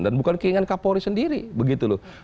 dan bukan keinginan kapolri sendiri begitu loh